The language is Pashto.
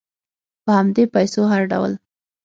په همدې پیسو هر ډول